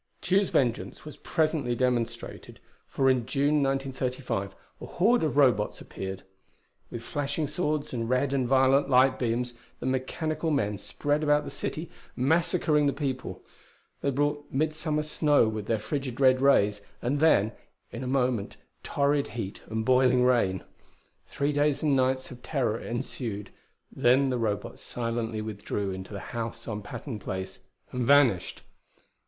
Tugh's vengeance was presently demonstrated, for in June, 1935, a horde of Robots appeared. With flashing swords and red and violet light beams the mechanical men spread about the city massacring the people; they brought midsummer snow with their frigid red rays; and then, in a moment, torrid heat and boiling rain. Three days and nights of terror ensued; then the Robots silently withdrew into the house on Patton Place and vanished.